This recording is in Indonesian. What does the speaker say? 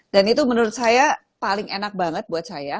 dan itu menurut saya paling enak banget buat saya